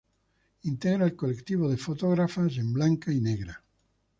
Integra el Colectivo de Fotógrafas En Blanca y Negra.